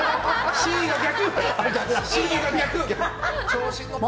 Ｃが逆！